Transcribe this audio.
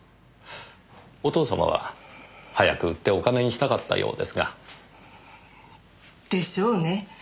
お父様は早く売ってお金にしたかったようですが。でしょうね。